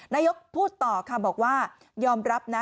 นายกพูดต่อค่ะบอกว่ายอมรับนะ